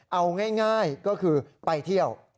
เอาง่ายก็คือไปเที่ยว